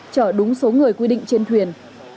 chở đúng số người quy định trên thuyền